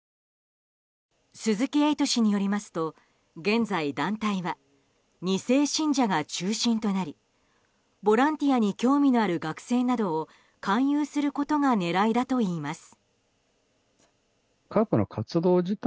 鈴木エイト氏によりますと現在、団体は２世信者が中心となりボランティアに興味のある学生などを勧誘することが狙いだといいます。